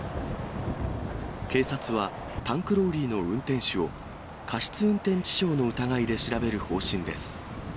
警察は、タンクローリーの運転手を、過失運転致傷の疑いで調べる方針です。